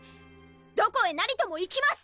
どこへなりとも行きます！